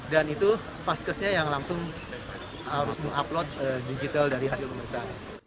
itu paskesnya yang langsung harus mengupload digital dari hasil pemeriksaan